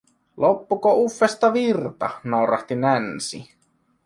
Loppuko Uffesta virta?", naurahti Nancy.